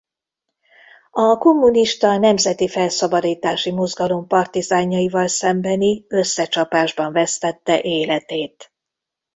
A kommunista Nemzeti Felszabadítási Mozgalom partizánjaival szembeni összecsapásban vesztette életét.